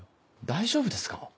大丈夫ですか？